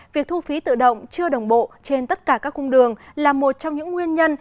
việc thu phí tự động chưa đồng bộ trên tất cả các cung đường là một trong những nguyên nhân